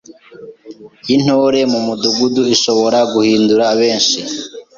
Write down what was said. y’Intore mu Mudugudu ishobora guhindura benshi